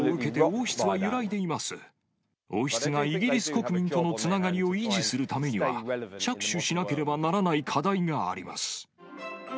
王室がイギリス国民とのつながりを維持するためには、着手しなければならない課題があります。